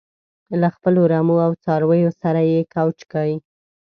له خپلو رمو او څارویو سره یې کوچ کړی.